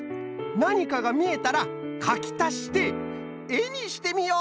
なにかがみえたらかきたしてえにしてみよう。